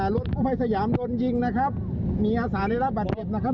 รถกู้ภัยสยามโดนยิงนะครับมีอาสาได้รับบาดเจ็บนะครับ